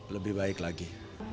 lebih baik lagi